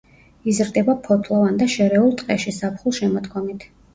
იზრდება ფოთლოვან და შერეულ ტყეში ზაფხულ-შემოდგომით.